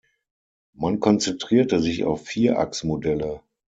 Man konzentrierte sich auf Vierachs-Modelle.